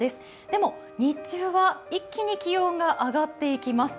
でも、日中は一気に気温が上がっていきます。